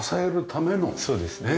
そうですね。